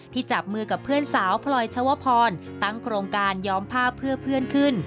จับมือกับเพื่อนสาวพลอยชวพรตั้งโครงการย้อมภาพเพื่อเพื่อนขึ้น